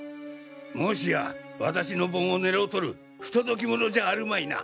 もしや私の盆を狙うとる不届き者じゃあるまいな？